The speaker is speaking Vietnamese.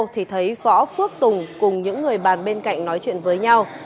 thì thấy võ phước tùng cùng những người bàn bên cạnh nói chuyện với nhau